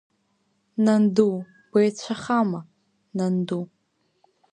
Нанду, беицәахама, Нанду?